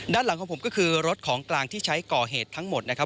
ด้านหลังของผมก็คือรถของกลางที่ใช้ก่อเหตุทั้งหมดนะครับ